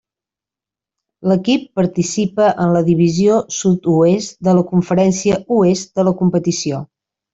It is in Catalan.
L'equip participa en la Divisió Sud-oest de la Conferència Oest de la competició.